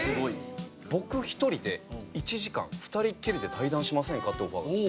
僕１人で１時間２人っきりで対談しませんかってオファーがきて。